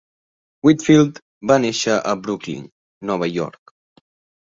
Whitfield va néixer a Brooklyn, Nova York.